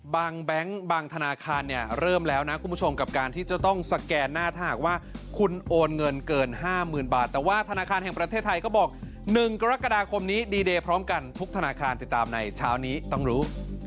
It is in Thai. แบงค์บางธนาคารเนี่ยเริ่มแล้วนะคุณผู้ชมกับการที่จะต้องสแกนหน้าถ้าหากว่าคุณโอนเงินเกิน๕๐๐๐บาทแต่ว่าธนาคารแห่งประเทศไทยก็บอก๑กรกฎาคมนี้ดีเดย์พร้อมกันทุกธนาคารติดตามในเช้านี้ต้องรู้